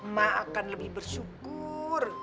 mak akan lebih bersyukur